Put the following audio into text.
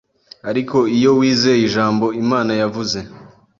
ariko iyo wizeye ijambo Imana yavuze